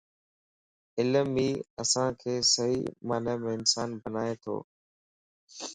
علم ئي اسانک صحيح معني مَ انسان بنائي تو